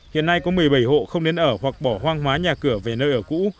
hiện nay có một mươi bảy hộ không đến ở hoặc bỏ hoang hóa nhà cửa về nơi ở cũ